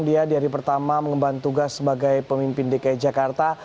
dia dari pertama mengembang tugas sebagai pemimpin dki jakarta